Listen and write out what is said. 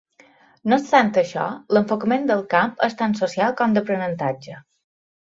No obstant això, l'enfocament del camp és tant social com d'aprenentatge.